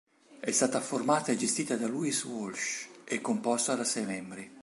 È stata formata e gestita da Louis Walsh e composta da sei membri.